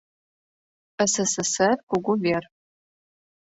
СССР Кугу вер.